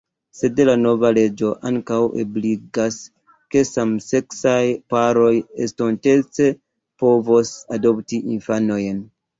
Sed la nova leĝo ankaŭ ebligas, ke samseksaj paroj estontece povos adopti infanojn.